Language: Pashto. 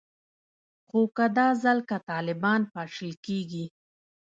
خو که دا ځل که طالبان پاشل کیږي